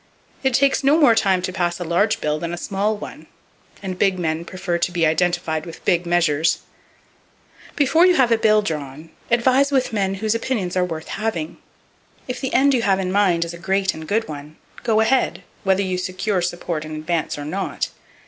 It takes no more time to pass a large bill than a small one; and big men prefer to be identified with big measures. Before you have a bill drawn, advise with men whose opinions are worth having. If the end you have in mind is a great and good one, go ahead, whether you secure support in advance or not.